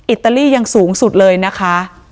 อิตาลียังสูงสุดเลยนะคะ